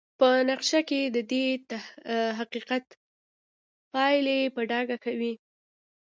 په نقشه کې ددې حقیق پایلې په ډاګه کوي.